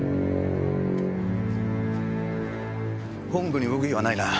本部に動きはないな？